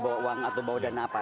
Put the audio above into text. bawa uang atau bawa dana apa